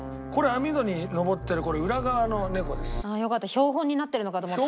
標本になってるのかと思った。